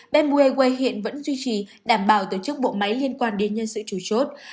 bmw airways hiện vẫn duy trì đảm bảo tổ chức bộ máy liên quan đến nhân sự trù chốt